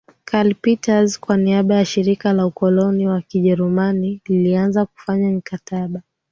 Karl Peters kwa niaba ya Shirika la Ukoloni wa Kijerumani alianza kufanya mikataba